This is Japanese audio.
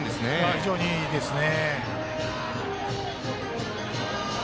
非常にいいですね。